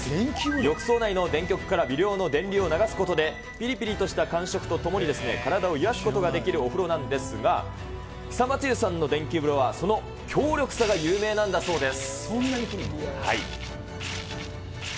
浴槽内の電極から微量の電流を流すことで、ぴりぴりとした感触とともに、体を癒やすことができるお風呂なんですが、久松湯さんの電気風呂は、その強力さが有名なんだそうです。